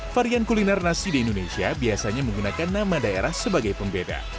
varian kuliner nasi di indonesia biasanya menggunakan nama daerah sebagai pembeda